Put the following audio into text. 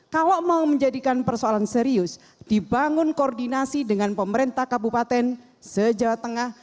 kalau mau menjadikan persoalan serius dibangun koordinasi dengan pemerintah kabupaten se jawa tengah